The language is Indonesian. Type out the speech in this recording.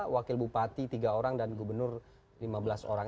wakil bupati tiga orang dan gubernur lima belas orang